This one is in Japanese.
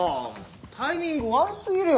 タイミング悪すぎるよ